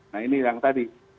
nah ini yang tadi